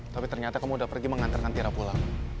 tapi ternyata kamu udah pergi mengantarkan tira pulang